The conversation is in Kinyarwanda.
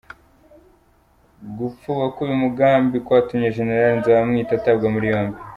Gupfuba k’uyu mugambi kwatumye General Nzabamwita atabwa muri yombi